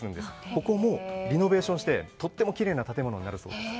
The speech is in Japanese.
ここもリノベーションしてとてもきれいな建物になるそうです。